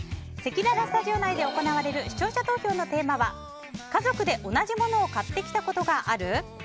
せきららスタジオ内で行われる視聴者投票のテーマは家族で同じものを買ってきたことがある？